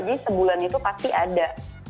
jadi sebulan itu pasti ada